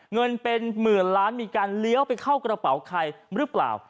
เงินเป็นหมื่นล้านมีการเลี้ยวไปเข้ากระเป๋าใครหรือเปล่า